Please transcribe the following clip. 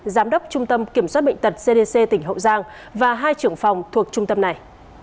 giám đốc trung tâm kiểm soát bệnh tật cdc tỉnh hậu giang và hai trưởng phòng thuộc trung tâm này